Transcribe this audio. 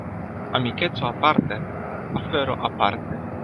Amikeco aparte, afero aparte.